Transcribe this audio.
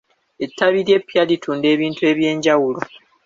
Ettabi lya epya litunda ebintu ebyenjawulo.